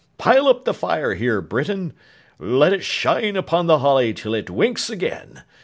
Pile up the fire here, Britain! Let it shine upon the holly till it winks again.